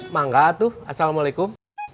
mangga tuh assalamualaikum